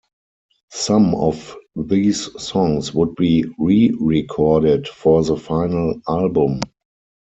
Some of these songs would be re-recorded for the final album.